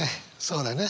そうだね。